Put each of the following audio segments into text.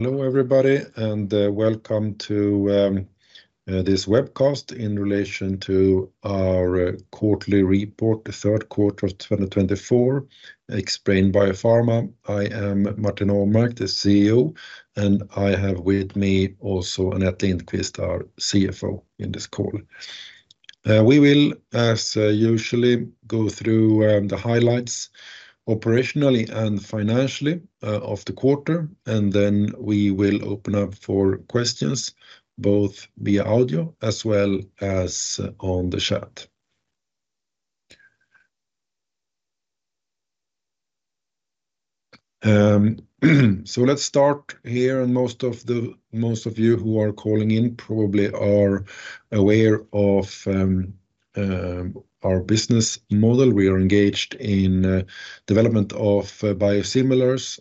Hello, everybody, and welcome to this webcast in relation to our quarterly report, the third quarter of 2024, Xbrane Biopharma. I am Martin Åmark, the CEO, and I have with me also Anette Lindqvist, our CFO, in this call. We will, as usually, go through the highlights operationally and financially of the quarter, and then we will open up for questions, both via audio as well as on the chat. So let's start here, and most of you who are calling in probably are aware of our business model. We are engaged in development of biosimilars.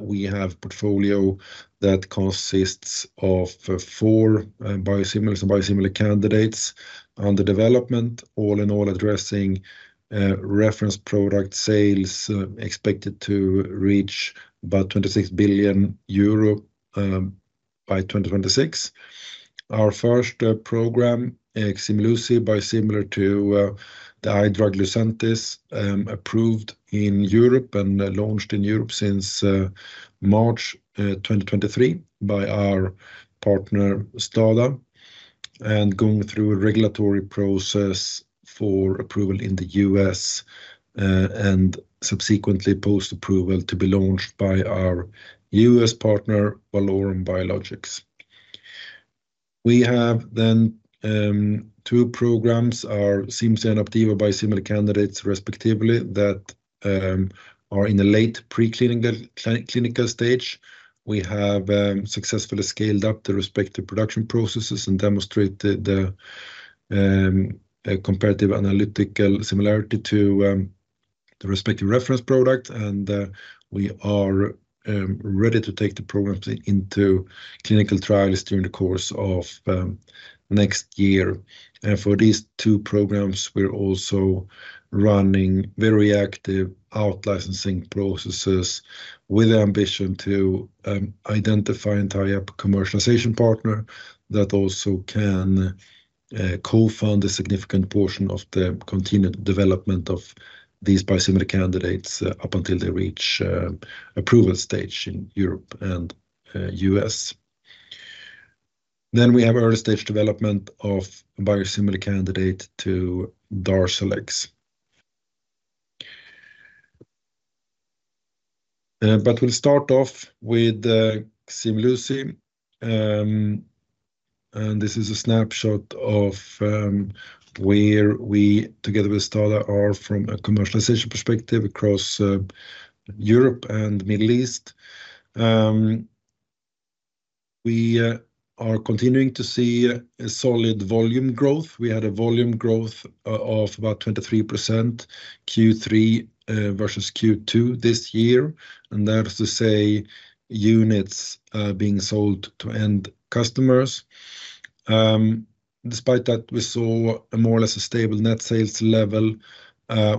We have portfolio that consists of four biosimilars and biosimilar candidates under development. All in all, addressing reference product sales expected to reach about 26 billion euro by 2026. Our first program, Ximluci, biosimilar to the eye drug Lucentis, approved in Europe and launched in Europe since March 2023 by our partner, STADA, and going through a regulatory process for approval in the U.S., and subsequently, post-approval, to be launched by our U.S. partner, Valorum Biologics. We have then two programs, Xcimzane and Xdivane biosimilar candidates, respectively, that are in the late pre-clinical stage. We have successfully scaled up the respective production processes and demonstrated the comparative analytical similarity to the respective reference product. And we are ready to take the programs into clinical trials during the course of next year. And for these two programs, we're also running very active out-licensing processes with the ambition to identify and tie up commercialization partner that also can co-fund a significant portion of the continued development of these biosimilar candidates up until they reach approval stage in Europe and U.S. Then we have early-stage development of biosimilar candidate to Darzalex. But we'll start off with Ximluci. And this is a snapshot of where we, together with STADA, are from a commercialization perspective across Europe and Middle East. We are continuing to see a solid volume growth. We had a volume growth of about 23% Q3 versus Q2 this year, and that is to say, units being sold to end customers. Despite that, we saw more or less a stable net sales level,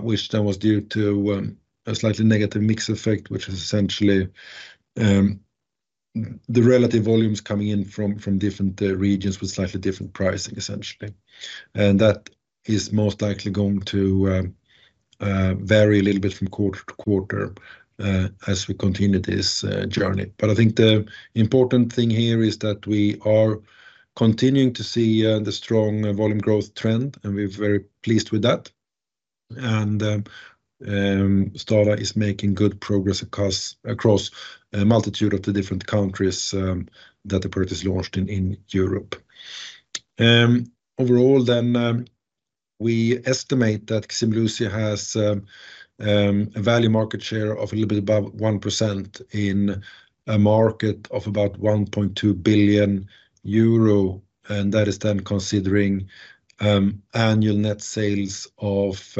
which then was due to a slightly negative mix effect, which is essentially the relative volumes coming in from different regions with slightly different pricing, essentially. And that is most likely going to vary a little bit from quarter to quarter as we continue this journey. But I think the important thing here is that we are continuing to see the strong volume growth trend, and we're very pleased with that. And STADA is making good progress across a multitude of the different countries that the product is launched in, in Europe. Overall, then, we estimate that Ximluci has a value market share of a little bit above 1% in a market of about 1.2 billion euro, and that is then considering annual net sales of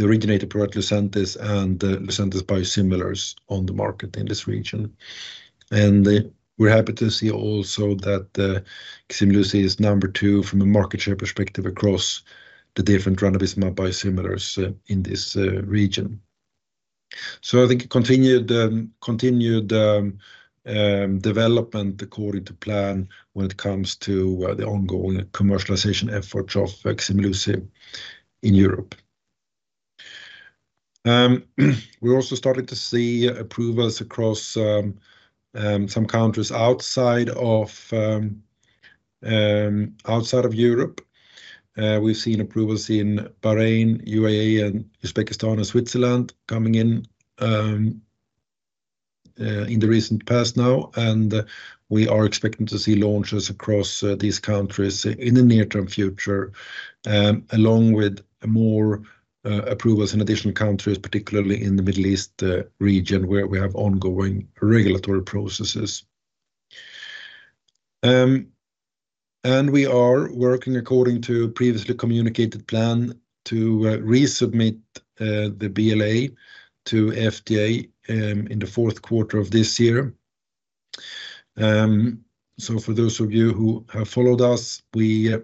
the originator product, Lucentis, and the Lucentis biosimilars on the market in this region. We're happy to see also that Ximluci is number two from a market share perspective across the different ranibizumab biosimilars in this region. I think continued development according to plan when it comes to the ongoing commercialization efforts of Ximluci in Europe. We're also starting to see approvals across some countries outside of Europe. We've seen approvals in Bahrain, UAE, and Uzbekistan, and Switzerland coming in in the recent past now, and we are expecting to see launches across these countries in the near-term future, along with more approvals in additional countries, particularly in the Middle East region, where we have ongoing regulatory processes, and we are working according to a previously communicated plan to resubmit the BLA to FDA in the fourth quarter of this year, so for those of you who have followed us, we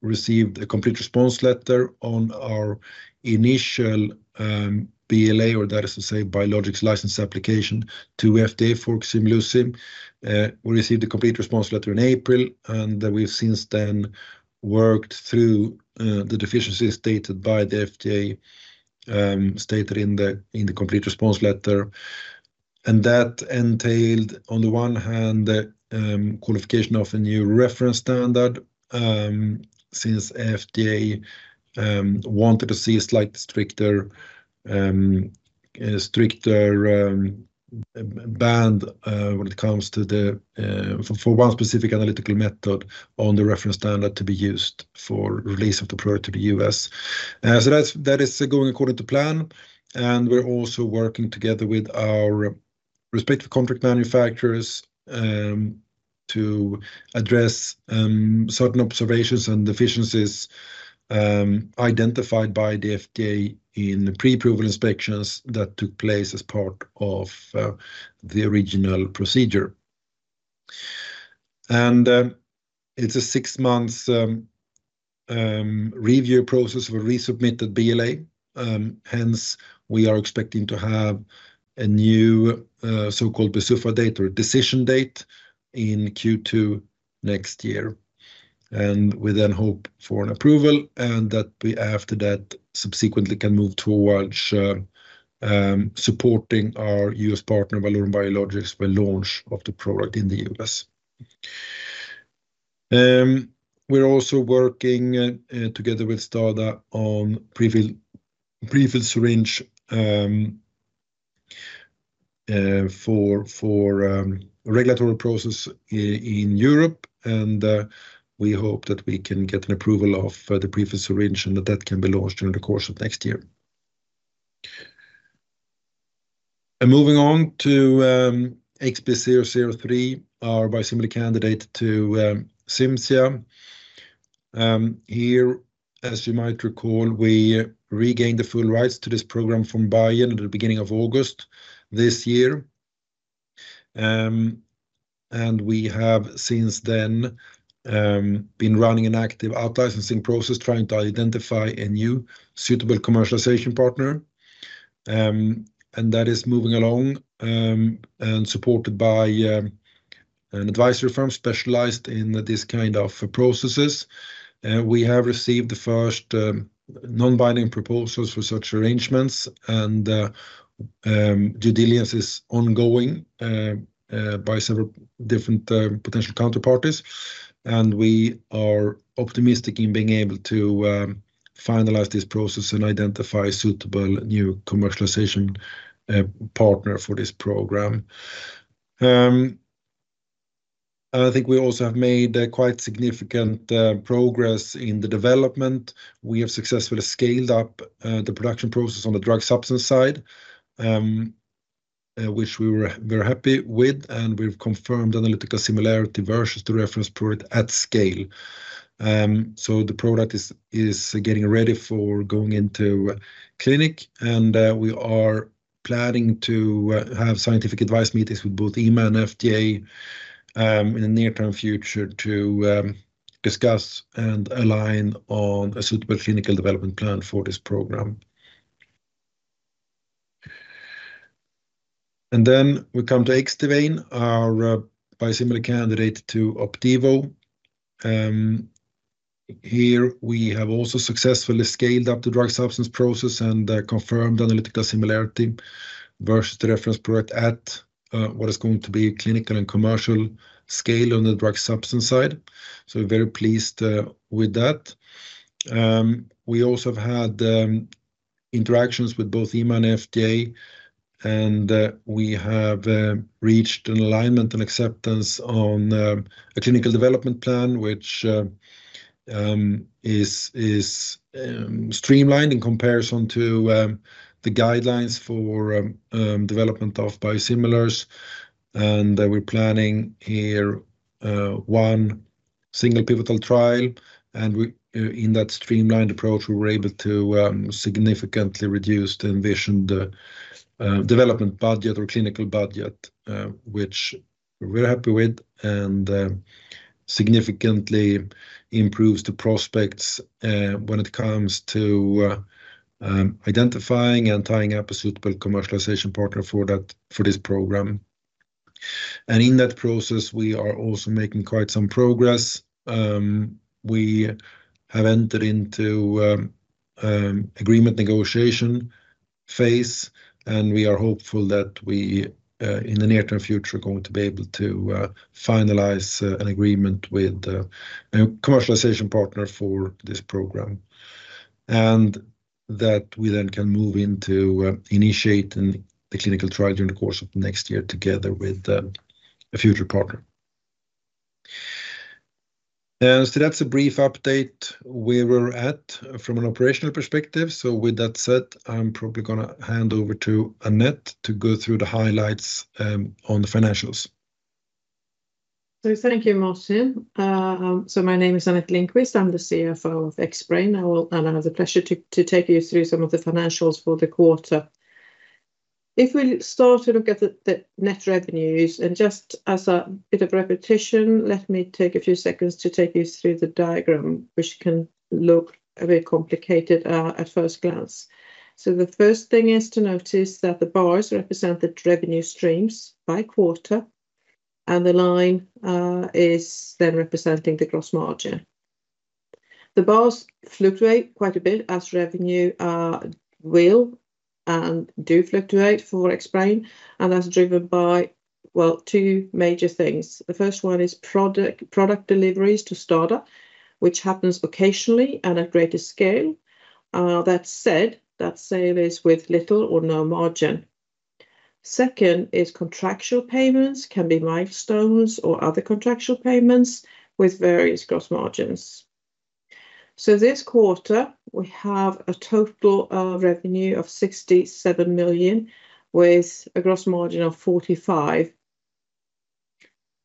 received a Complete Response Letter on our initial BLA, or that is to say, Biologics License Application, to FDA for Ximluci. We received a Complete Response Letter in April, and we've since then worked through the deficiencies stated by the FDA, stated in the Complete Response Letter. And that entailed, on the one hand, the qualification of a new reference standard, since FDA wanted to see a slight stricter band, when it comes to the for one specific analytical method on the reference standard to be used for release of the product to the U.S. So that is going according to plan, and we're also working together with our respective contract manufacturers to address certain observations and deficiencies identified by the FDA in the pre-approval inspections that took place as part of the original procedure. And it's a six-month review process for a resubmitted BLA, hence, we are expecting to have a new so-called PDUFA date, or decision date, in Q2 next year. We then hope for an approval, and that we, after that, subsequently can move towards supporting our US partner, Valorum Biologics, with launch of the product in the US. We're also working together with STADA on pre-filled syringe for regulatory process in Europe. We hope that we can get an approval of the pre-filled syringe, and that that can be launched during the course of next year. Moving on to XB003, our biosimilar candidate to Cimzia. Here, as you might recall, we regained the full rights to this program from Biogen at the beginning of August this year. And we have since then been running an active out-licensing process, trying to identify a new suitable commercialization partner. That is moving along and supported by an advisory firm specialized in this kind of processes. We have received the first non-binding proposals for such arrangements, and due diligence is ongoing by several different potential counterparties. We are optimistic in being able to finalize this process and identify a suitable new commercialization partner for this program. I think we also have made a quite significant progress in the development. We have successfully scaled up the production process on the drug substance side, which we were very happy with, and we've confirmed analytical similarity versus the reference product at scale. So the product is getting ready for going into clinic, and we are planning to have scientific advice meetings with both EMA and FDA in the near-term future to discuss and align on a suitable clinical development plan for this program. And then we come to Xdivane, our biosimilar candidate to Opdivo. Here, we have also successfully scaled up the drug substance process and confirmed analytical similarity versus the reference product at what is going to be clinical and commercial scale on the drug substance side. So we're very pleased with that. We also have had interactions with both EMA and FDA, and we have reached an alignment and acceptance on a clinical development plan, which is streamlined in comparison to the guidelines for development of biosimilars. We're planning one single pivotal trial, and in that streamlined approach, we were able to significantly reduce the envisioned development budget or clinical budget, which we're very happy with, and significantly improves the prospects when it comes to identifying and tying up a suitable commercialization partner for this program. In that process, we are also making quite some progress. We have entered into agreement negotiation phase, and we are hopeful that in the near-term future, we are going to be able to finalize an agreement with a commercialization partner for this program. That we then can move into initiating the clinical trial during the course of next year, together with a future partner. So that's a brief update where we're at from an operational perspective. So with that said, I'm probably gonna hand over to Anette to go through the highlights, on the financials.... Thank you, Martin. My name is Anette Lindqvist. I'm the CFO of Xbrane. I will and I have the pleasure to take you through some of the financials for the quarter. If we start to look at the net revenues, and just as a bit of repetition, let me take a few seconds to take you through the diagram, which can look a bit complicated at first glance. The first thing is to notice that the bars represent the revenue streams by quarter, and the line is then representing the gross margin. The bars fluctuate quite a bit as revenue will and do fluctuate for Xbrane, and that's driven by, well, two major things. The first one is product deliveries to STADA, which happens occasionally and at greater scale. That said, that sale is with little or no margin. Second is contractual payments, can be milestones or other contractual payments with various gross margins. So this quarter, we have a total revenue of 67 million, with a gross margin of 45%.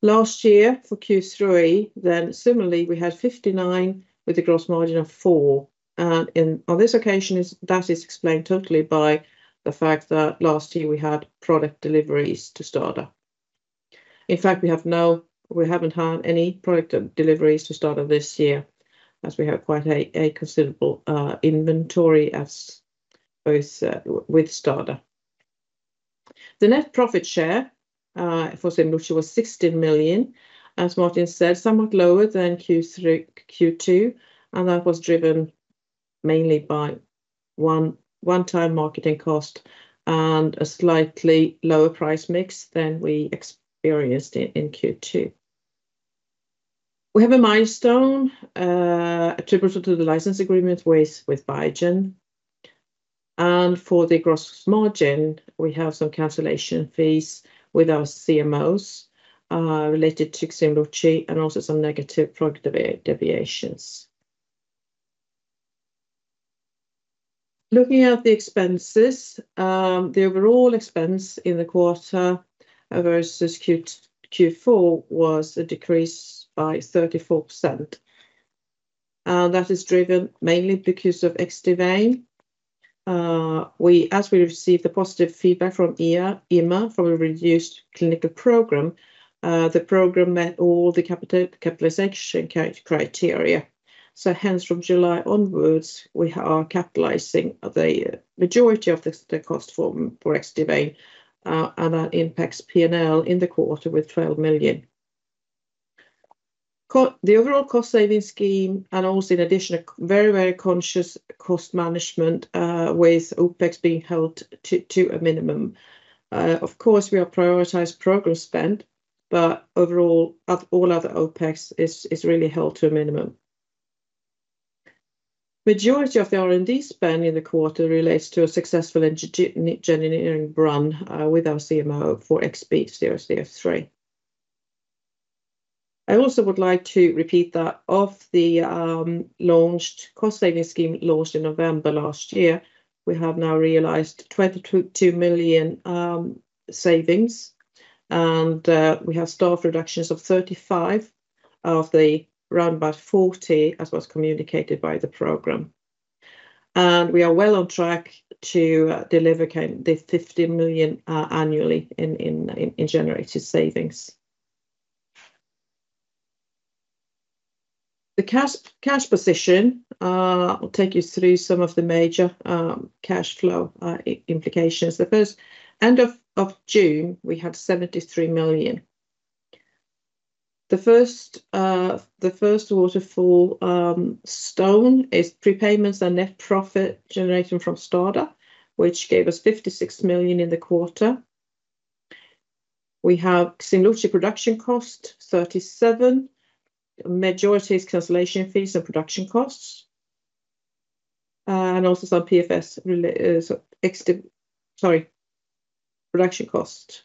Last year, for Q3, then similarly, we had 59, with a gross margin of 4%. And on this occasion, that is explained totally by the fact that last year we had product deliveries to STADA. In fact, we haven't had any product deliveries to STADA this year, as we have quite a considerable inventory with STADA. The net profit share for Ximluci was 16 million, as Martin said, somewhat lower than Q3, Q2, and that was driven mainly by one-time marketing cost and a slightly lower price mix than we experienced in Q2. We have a milestone attributable to the license agreement with Biogen. For the gross margin, we have some cancellation fees with our CMOs related to Ximluci and also some negative product deviations. Looking at the expenses, the overall expense in the quarter versus Q2, Q4 was a decrease by 34%. That is driven mainly because of Xdivane. As we received the positive feedback from EMA from a reduced clinical program, the program met all the capitalization criteria. Hence, from July onwards, we are capitalizing the majority of the cost for Xdivane, and that impacts P&L in the quarter with 12 million. The overall cost saving scheme and also in addition, a very conscious cost management with OpEx being held to a minimum. Of course, we have prioritized program spend, but overall, all other OpEx is really held to a minimum. Majority of the R&D spend in the quarter relates to a successful engineering run with our CMO for XB003. I also would like to repeat that of the launched cost saving scheme launched in November last year, we have now realized 22 million savings, and we have staff reductions of 35, of the roundabout 40, as was communicated by the program. We are well on track to deliver the 15 million annually in generated savings. The cash position, I'll take you through some of the major cash flow implications. At the end of June, we had 73 million. The first, the first waterfall shown is prepayments and net profit generation from STADA, which gave us 56 million in the quarter. We have Ximluci production cost, 37. Majority is cancellation fees and production costs, and also some PFS, production cost.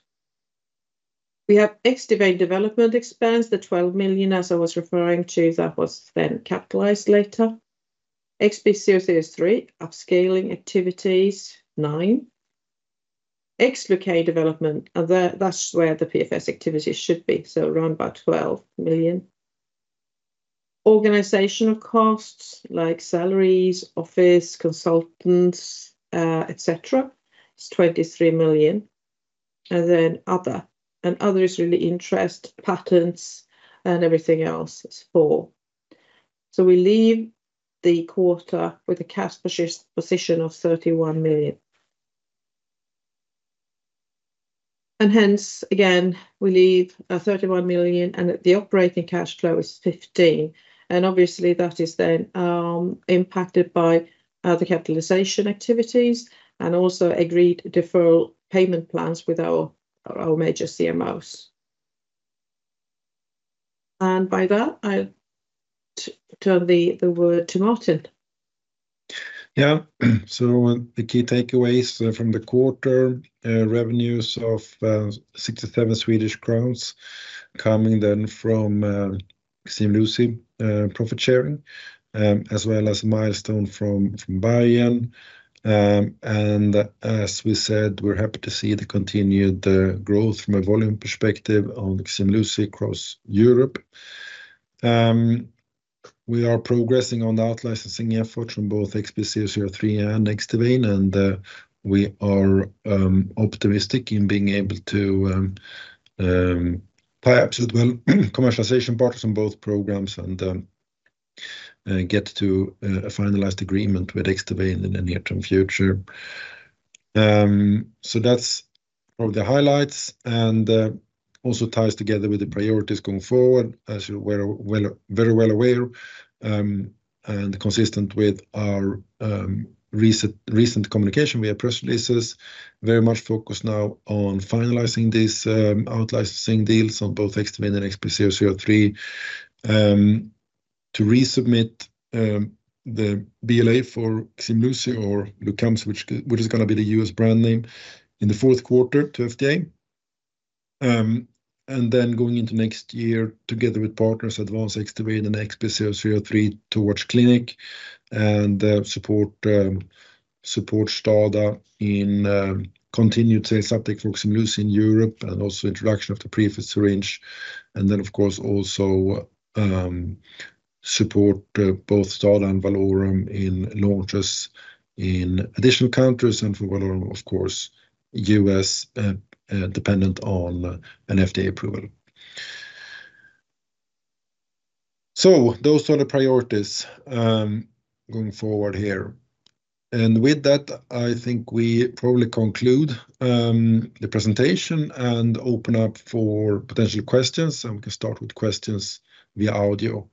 We have Xdivane development expense, the 12 million, as I was referring to, that was then capitalized later. XB003 upscaling activities, 9. Ximluci development, and that, that's where the PFS activities should be, so around about 12 million. Organizational costs, like salaries, office, consultants, et cetera, is 23 million. And then other is really interest, patents, and everything else is 4. So we leave the quarter with a cash position of 31 million. And hence, again, we leave 31 million, and the operating cash flow is 15 million, and obviously, that is then impacted by the capitalization activities and also agreed deferral payment plans with our major CMOs. And by that, I'll turn the word to Martin. Yeah. So the key takeaways from the quarter, revenues of 67 Swedish crowns, coming then from Ximluci profit sharing, as well as milestone from Biogen. And as we said, we're happy to see the continued growth from a volume perspective on Ximluci across Europe. We are progressing on the out-licensing effort from both XB003 and Xdivane, and we are optimistic in being able to perhaps well commercialization partners on both programs and get to a finalized agreement with Xdivane in the near-term future. So that's probably the highlights and also ties together with the priorities going forward, as you're very well aware, and consistent with our recent communication via press releases. Very much focused now on finalizing these out-licensing deals on both Xdivane and XB003 to resubmit the BLA for Ximluci or Lucentis, which is gonna be the U.S. brand name, in the fourth quarter to FDA. And then going into next year, together with partners, advance Xdivane and XB003 towards clinic, and support STADA in continued sales update for Ximluci in Europe, and also introduction of the pre-filled syringe. And then, of course, also support both STADA and Valorum in launches in additional countries and for Valorum, of course, U.S., dependent on an FDA approval. So those are the priorities going forward here. And with that, I think we probably conclude the presentation and open up for potential questions, and we can start with questions via audio.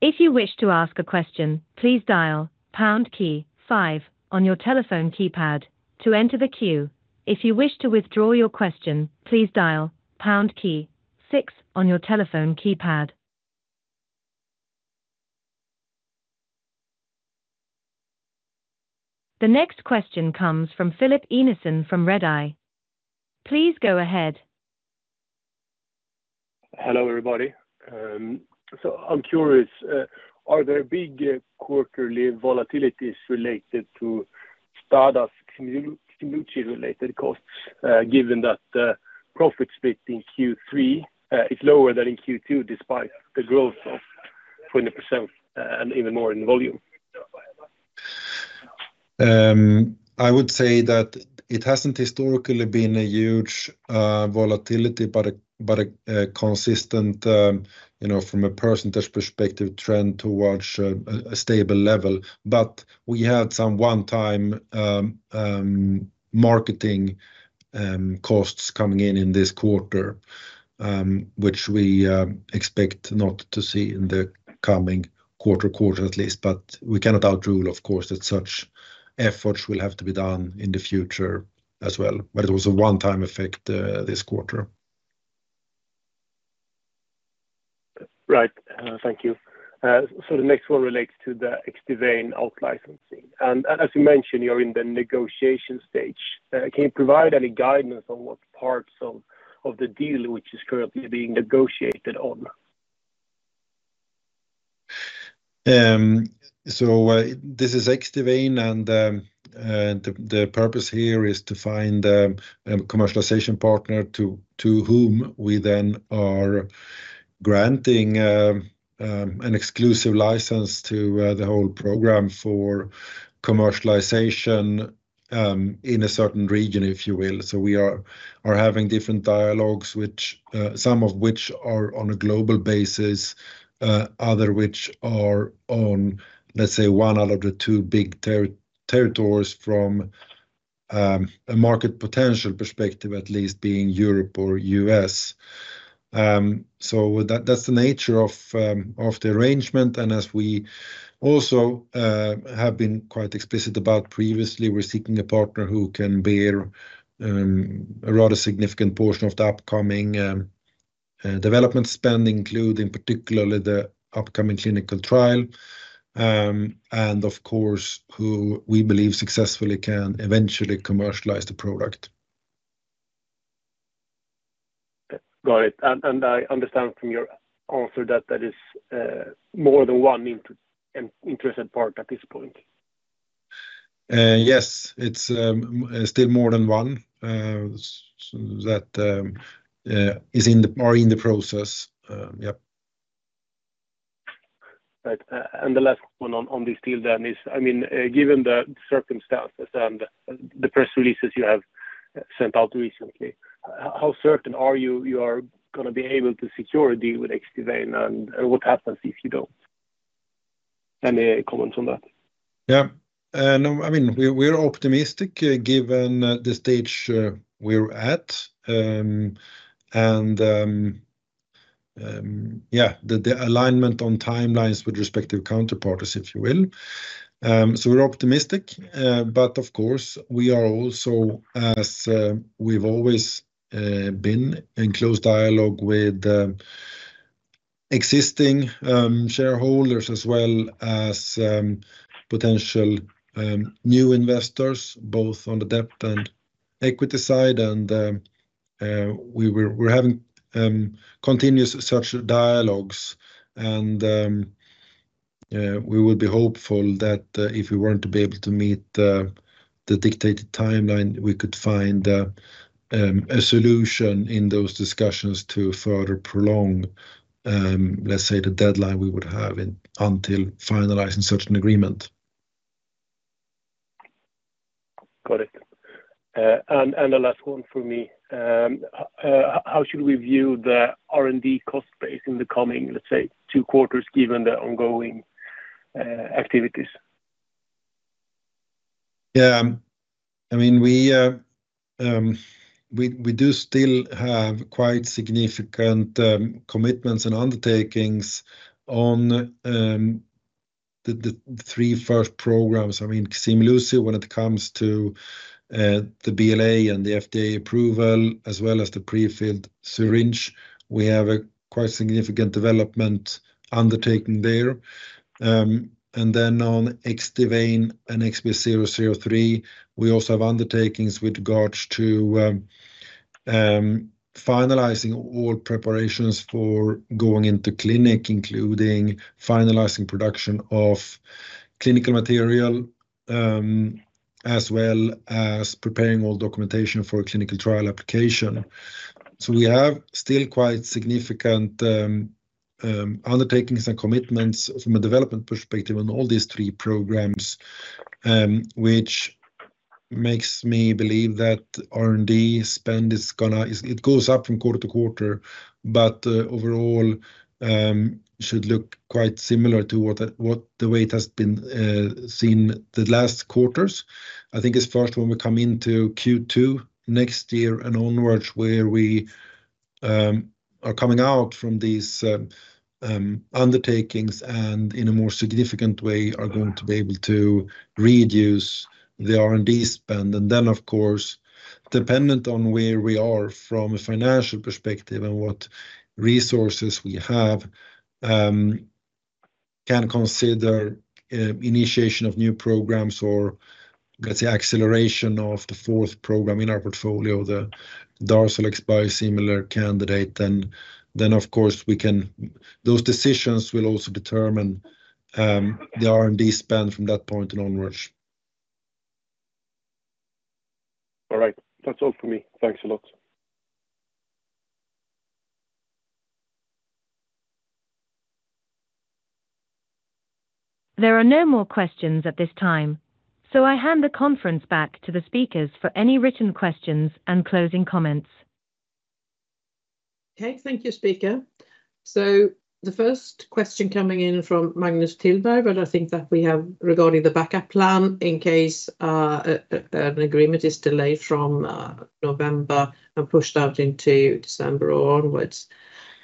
If you wish to ask a question, please dial pound key five on your telephone keypad to enter the queue. If you wish to withdraw your question, please dial pound key six on your telephone keypad. The next question comes from Filip Eneberg from Redeye. Please go ahead. Hello, everybody. So I'm curious, are there big quarterly volatilities related to STADA's Ximluci-related costs, given that the profit split in Q3 is lower than in Q2, despite the growth of 20%, and even more in volume? I would say that it hasn't historically been a huge volatility, but a consistent, you know, from a percentage perspective, trend towards a stable level. But we had some one-time marketing costs coming in in this quarter, which we expect not to see in the coming quarter, at least. But we cannot rule out, of course, that such efforts will have to be done in the future as well. But it was a one-time effect, this quarter. Right. Thank you. So the next one relates to the Xdivane out-licensing. As you mentioned, you're in the negotiation stage. Can you provide any guidance on what parts of the deal which is currently being negotiated on? So, this is Xdivane and, the purpose here is to find a commercialization partner to whom we then are granting an exclusive license to the whole program for commercialization in a certain region, if you will. So we are having different dialogues, which some of which are on a global basis, other which are on, let's say, one out of the two big territories from a market potential perspective, at least being Europe or U.S. So that's the nature of the arrangement, and as we also have been quite explicit about previously, we're seeking a partner who can bear a rather significant portion of the upcoming development spend, including particularly the upcoming clinical trial. And of course, who we believe successfully can eventually commercialize the product. Got it, and I understand from your answer that there is more than one interested party at this point. Yes, it's still more than one, so that are in the process. Yep. Right, and the last one on this deal then is, I mean, given the circumstances and the press releases you have sent out recently, how certain are you are gonna be able to secure a deal with Xdivane, and what happens if you don't? Any comments on that? Yeah. No, I mean, we are optimistic, given the stage we're at. And yeah, the alignment on timelines with respective counterparties, if you will. So we're optimistic, but of course, we are also, as we've always been in close dialogue with existing shareholders as well as potential new investors, both on the debt and equity side. And we're having continuous such dialogues, and we would be hopeful that, if we weren't to be able to meet the dictated timeline, we could find a solution in those discussions to further prolong, let's say, the deadline we would have until finalizing such an agreement. Got it. And the last one for me, how should we view the R&D cost base in the coming, let's say, two quarters, given the ongoing activities? Yeah, I mean, we, we do still have quite significant commitments and undertakings on the, the three first programs. I mean, Ximluci, when it comes to the BLA and the FDA approval, as well as the prefilled syringe, we have a quite significant development undertaking there. And then on Xdivane and XB003, we also have undertakings with regards to finalizing all preparations for going into clinic, including finalizing production of clinical material, as well as preparing all documentation for a clinical trial application. So we have still quite significant undertakings and commitments from a development perspective on all these three programs, which makes me believe that R&D spend is gonna. It goes up from quarter to quarter, but overall should look quite similar to what the way it has been seen the last quarters. I think as far as when we come into Q2 next year and onwards, where we are coming out from these undertakings and in a more significant way are going to be able to reduce the R&D spend. And then, of course, dependent on where we are from a financial perspective and what resources we have can consider initiation of new programs or, let's say, acceleration of the fourth program in our portfolio, the Darzalex biosimilar candidate. And then, of course, we can... Those decisions will also determine the R&D spend from that point and onwards. All right. That's all for me. Thanks a lot. There are no more questions at this time, so I hand the conference back to the speakers for any written questions and closing comments. Okay. Thank you, speaker. So the first question coming in from Magnus Tillberg, but I think that we have regarding the backup plan in case an agreement is delayed from November and pushed out into December or onwards.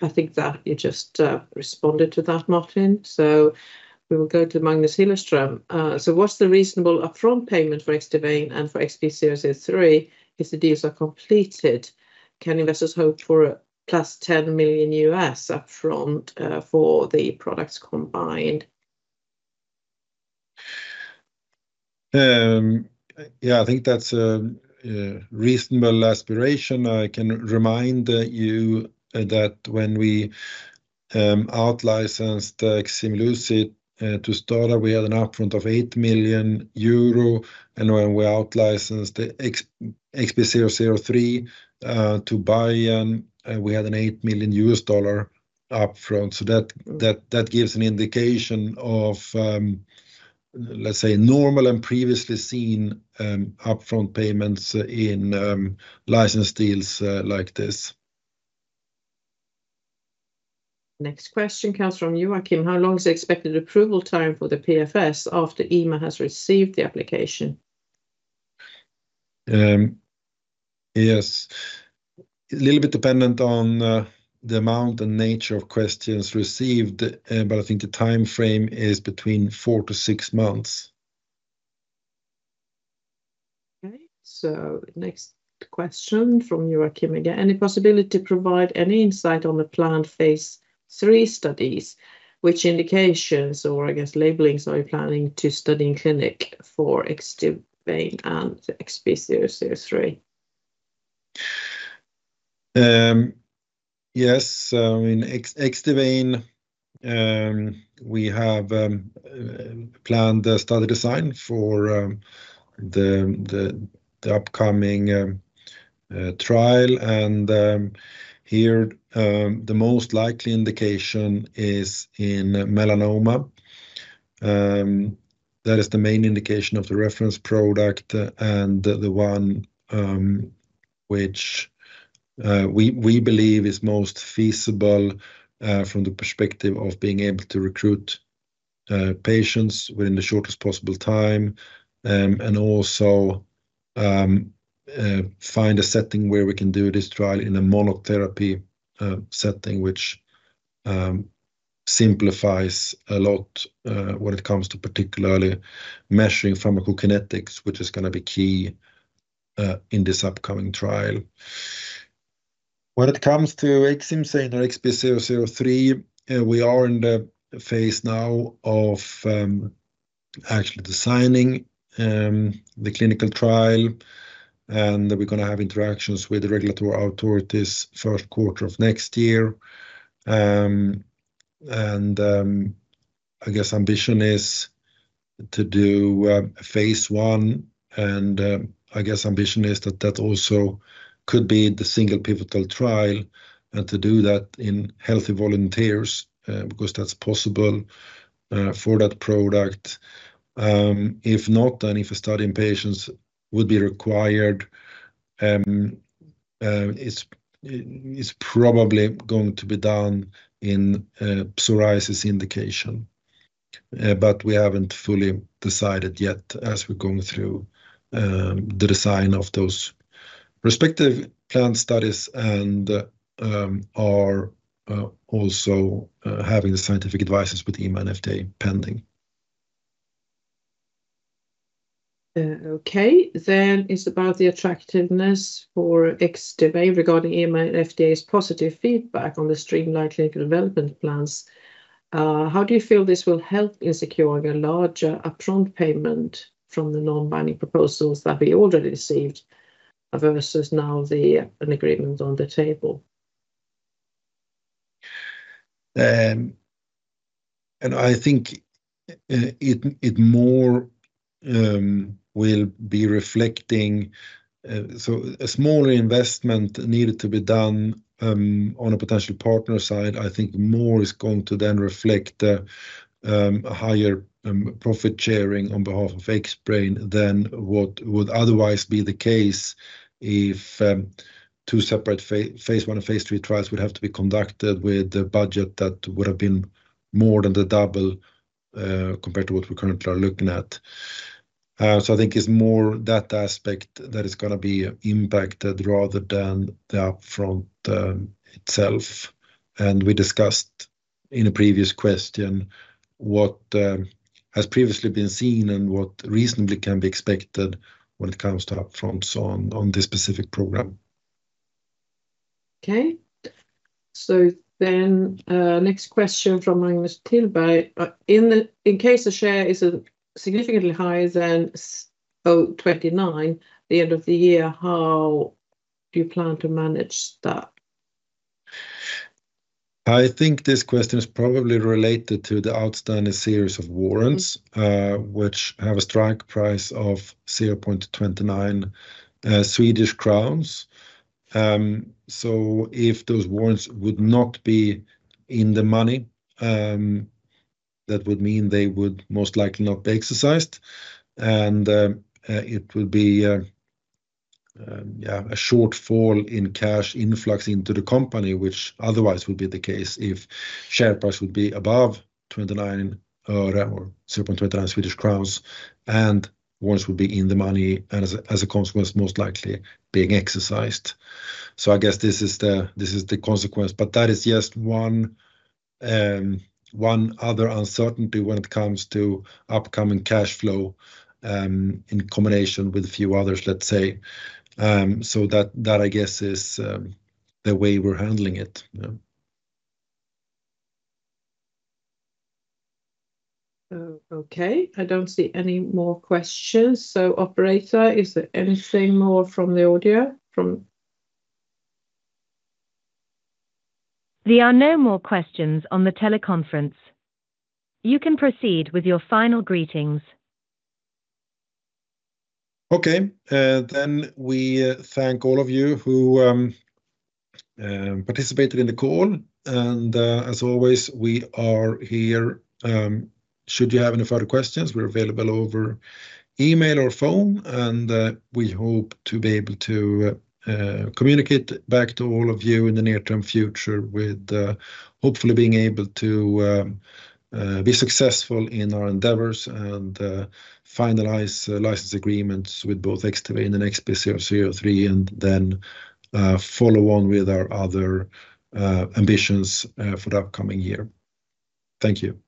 I think that you just responded to that, Martin. So we will go to Magnus Hillerström. "So what's the reasonable upfront payment for Xdivane and for XB003 if the deals are completed? Can investors hope for a +$10 million upfront for the products combined? Yeah, I think that's a reasonable aspiration. I can remind you that when we out-licensed Ximluci to STADA, we had an upfront of 8 million euro, and when we out-licensed XB003 to Biogen, we had an $8 million upfront. So that gives an indication of, let's say, normal and previously seen upfront payments in license deals like this. Next question comes from you, Joachim. "How long is the expected approval time for the PFS after EMA has received the application? Yes. A little bit dependent on the amount and nature of questions received, but I think the timeframe is between four to six months. Okay, so next question from Joachim again: "Any possibility to provide any insight on the planned Phase III studies? Which indications or, I guess, labelings are you planning to study in clinic for Xdivane and XB003? Yes. So in Xdivane, we have planned a study design for the upcoming trial. And here, the most likely indication is in melanoma. That is the main indication of the reference product and the one which we believe is most feasible from the perspective of being able to recruit patients within the shortest possible time, and also find a setting where we can do this trial in a monotherapy setting, which simplifies a lot when it comes to particularly measuring pharmacokinetics, which is gonna be key in this upcoming trial. When it comes to Xcimzane and XB003, we are in the phase now of actually designing the clinical trial, and we're going to have interactions with the regulatory authorities first quarter of next year, and I guess ambition is to do a Phase I, and I guess ambition is that that also could be the single pivotal trial, and to do that in healthy volunteers, because that's possible for that product. If not, then if a study in patients would be required, it is probably going to be done in a psoriasis indication, but we haven't fully decided yet, as we're going through the design of those respective planned studies and are also having the scientific advice with EMA and FDA pending. Okay, then it's about the attractiveness for Xbrane biosimilars regarding EMA and FDA's positive feedback on the streamlined clinical development plans. How do you feel this will help in securing a larger upfront payment from the non-binding proposals that we already received, versus now an agreement on the table? I think it more will be reflecting. So a smaller investment needed to be done on a potential partner side. I think more is going to then reflect a higher profit sharing on behalf of Xbrane than what would otherwise be the case if two separate Phase I and phase III trials would have to be conducted with a budget that would have been more than the double compared to what we currently are looking at. So I think it's more that aspect that is gonna be impacted rather than the up-front itself. We discussed in a previous question what has previously been seen and what reasonably can be expected when it comes to up-fronts on this specific program. Okay. So then, next question from Magnus Tillberg. In case the share is significantly higher than, 0.29, the end of the year, how do you plan to manage that? I think this question is probably related to the outstanding series of warrants- Mm-hmm... which have a strike price of 0.29 Swedish crowns. So if those warrants would not be in the money, that would mean they would most likely not be exercised, and it will be a shortfall in cash influx into the company, which otherwise would be the case if share price would be above 0.29 or 0.29 Swedish crowns, and warrants would be in the money and as a consequence, most likely being exercised. So I guess this is the consequence, but that is just one other uncertainty when it comes to upcoming cash flow in combination with a few others, let's say. So that, I guess, is the way we're handling it. Oh, okay. I don't see any more questions. So operator, is there anything more from the audio? From- There are no more questions on the teleconference. You can proceed with your final greetings. Okay, then we thank all of you who participated in the call. And, as always, we are here should you have any further questions, we're available over email or phone, and we hope to be able to communicate back to all of you in the near-term future with hopefully being able to be successful in our endeavors and finalize license agreements with both Xdivane and the XB003, and then follow on with our other ambitions for the upcoming year. Thank you.